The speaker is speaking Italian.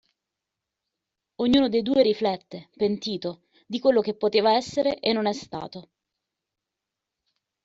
Ognuno dei due riflette, pentito, di quello che poteva essere e non è stato.